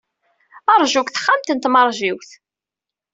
Ṛju deg texxamt n tmeṛjiwt.